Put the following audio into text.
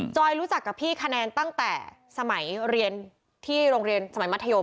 รู้จักกับพี่คะแนนตั้งแต่สมัยเรียนที่โรงเรียนสมัยมัธยม